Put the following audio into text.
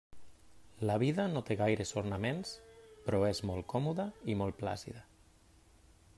La vida no té gaires ornaments, però és molt còmoda i molt plàcida.